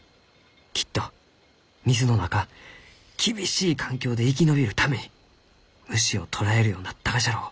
きっと水の中厳しい環境で生き延びるために虫を捕らえるようになったがじゃろう。